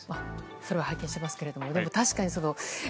それは拝見してますけども。